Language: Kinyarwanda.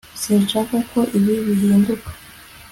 sinshaka ko ibi bihinduka